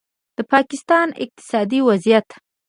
د پاکستان اقتصادي وضعیت